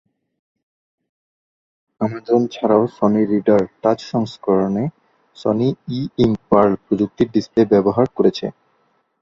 Amazon ছাড়াও Sony Reader Touch সংস্করণে Sony E Ink Pearl প্রযুক্তির ডিসপ্লে ব্যবহার করেছে।